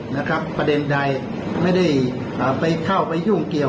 นะครับประเด็นใดไม่ได้ไปเข้าไปยุ่งเกี่ยว